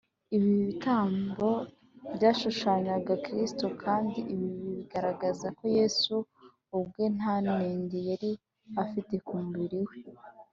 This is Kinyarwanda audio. . Ibi bitambo byashushanyaga Kristo, kandi ibi bigaragaza ko Yesu ubwe nta nenge yari afite ku mubiri we